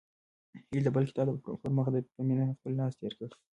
هیلې د بل کتاب پر مخ په مینه خپل لاس تېر کړ.